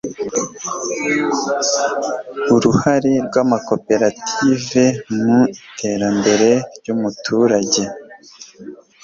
iuruhare rw'amakoperative mu iterambere ry'umuturage